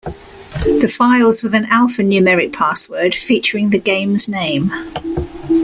The files with an alpha numeric password featuring the game's name.